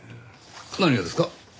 何がですか？